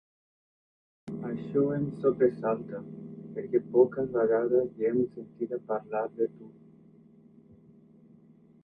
Això em sobresalta, perquè poques vegades l'hem sentida parlar de tu.